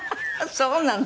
そうなの？